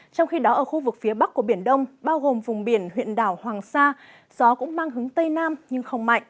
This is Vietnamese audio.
trong khi đó ở khu vực phía bắc của biển đông bao gồm vùng biển huyện đảo hoàng sa gió cũng mang hướng tây nam nhưng không mạnh